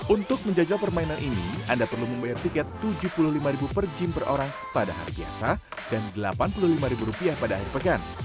untuk menjajal permainan ini anda perlu membayar tiket rp tujuh puluh lima per gym per orang pada hari biasa dan rp delapan puluh lima pada akhir pekan